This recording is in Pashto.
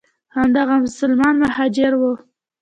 همدغه مسلمان مهاجر وو.